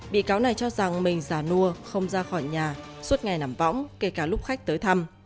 bị cáo này cho rằng mình già nua không ra khỏi nhà suốt ngày nằm võng kể cả lúc khách tới thăm